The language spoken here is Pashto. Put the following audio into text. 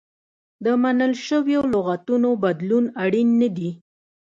د منل شویو لغتونو بدلول اړین نه دي.